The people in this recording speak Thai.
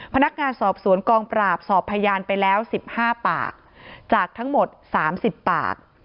พนักงานสอบสวนกองปราบสอบพยานไปแล้ว๑๕ปากจากทั้งหมด๓๐ปาก